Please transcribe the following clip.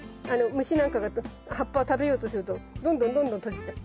虫なんかが葉っぱを食べようとするとどんどんどんどん閉じちゃう。